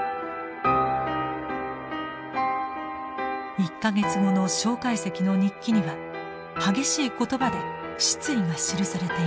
１か月後の介石の日記には激しい言葉で失意が記されていました。